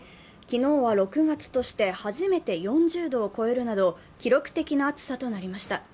昨日は６月として初めて４０度を超えるなど記録的な暑さとなりました。